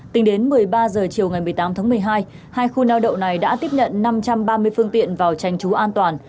tính đến một mươi ba h chiều ngày một mươi tám tháng một mươi hai hai khu neo đậu này đã tiếp nhận năm trăm ba mươi phương tiện vào tranh trú an toàn